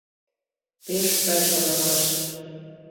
— Пеш сай шонымаш.